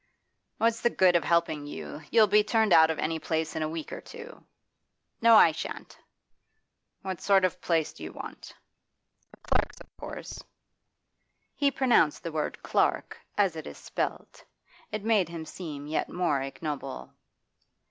'What's the good of helping you? You'll be turned out of any place in a week or two.' 'No, I shan't!' 'What sort of a place do you want?' 'A clerk's, of course.' He pronounced the word 'clerk' as it is spelt; it made him seem yet more ignoble.